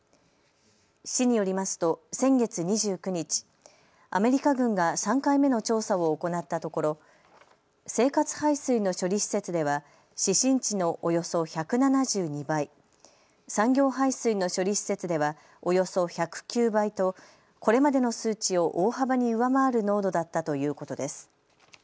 市によりますと先月２９日アメリカ軍が３回目の調査を行ったところ、生活排水の処理施設では指針値のおよそ１７２倍、産業排水の処理施設ではおよそ１０９倍とこれまでの数値を大幅に上回る濃度だったということです。